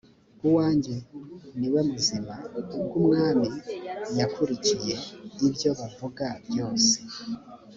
uwange ni we muzima ubwo umwami yakurikiye ibyo bavuga byose